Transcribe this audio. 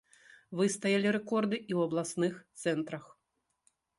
Выстаялі рэкорды і ў абласных цэнтрах.